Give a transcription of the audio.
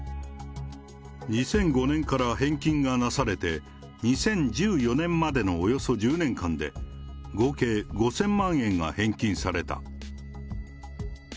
２００５年から返金がなされて、２０１４年までのおよそ１０年間で、合計５０００万円が返金された。